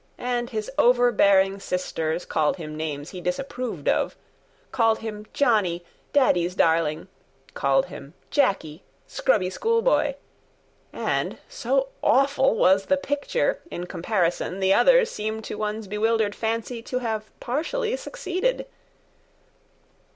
And his overbearing sisters Called him names he disapproved of: Called him Johnny, 'Daddy's Darling,' Called him Jacky, 'Scrubby School boy.' And, so awful was the picture, In comparison the others Seemed, to one's bewildered fancy, To have partially succeeded.